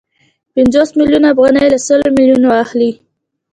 پنځوس میلیونه افغانۍ له سلو میلیونو اخلي